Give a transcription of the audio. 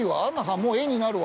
もう画になるわ。